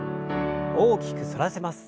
大きく反らせます。